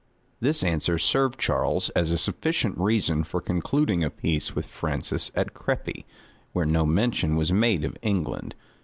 This answer served Charles as a sufficient reason for concluding a peace with Francis at Crepy, where no mention was made of England.